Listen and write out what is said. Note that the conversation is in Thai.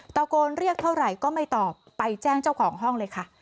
ตะโกนเรียกเท่าไหร่ก็ไม่ตอบไปแจ้งเจ้าของห้องเลยค่ะ